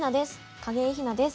景井ひなです。